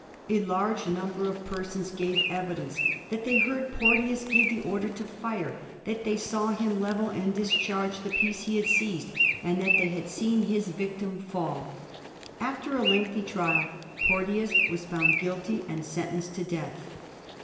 A large number of persons gave evidence that they heard Porteous give the order to fire, that they saw him level and discharge the piece he had seized, and that they had seen his victim fall. After a lengthy trial Porteons was found guilty and sentenced to death.